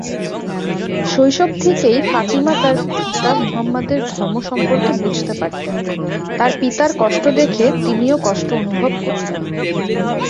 শৈশব থেকেই ফাতিমা তার পিতা মুহাম্মাদের ধর্ম সম্পর্কে বুঝতে পারতেন, তার পিতার কষ্ট দেখে তিনিও কষ্ট অনুভব করতেন।